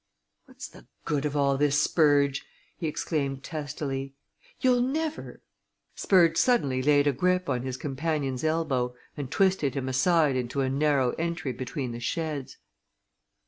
"What's the good of all this, Spurge!" he exclaimed testily. "You'll never " Spurge suddenly laid a grip on his companion's elbow and twisted him aside into a narrow entry between the sheds.